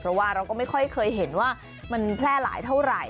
เพราะว่าเราก็ไม่ค่อยเคยเห็นว่ามันแพร่หลายเท่าไหร่